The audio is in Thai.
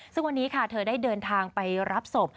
ซึ่งวันนี้ค่ะเธอได้เดินทางไปรับศพ